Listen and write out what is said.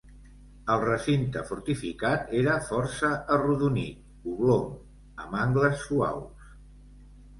El recinte fortificat era força arrodonit, oblong, amb angles suaus.